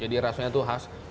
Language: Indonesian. jadi rasanya tuh khas